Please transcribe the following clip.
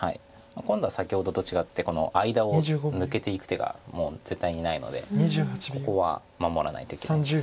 今度は先ほどと違ってこの間を抜けていく手がもう絶対にないのでここは守らないといけないです。